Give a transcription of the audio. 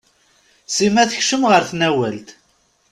Sima tekcem ɣer tnawalt.